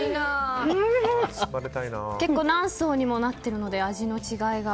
結構何層にもなってるので味の違いが？